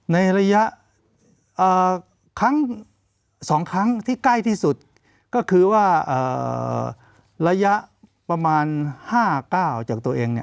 ในระยะครั้ง๒ครั้งที่ใกล้ที่สุดก็คือว่าระยะประมาณ๕๙จากตัวเอง